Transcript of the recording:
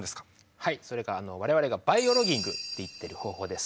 はいそれが我々がバイオロギングと言っている方法です。